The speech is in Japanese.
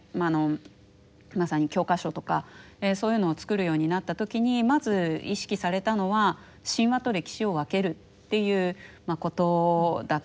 まさに教科書とかそういうのを作るようになった時にまず意識されたのは神話と歴史を分けるということだったわけですね。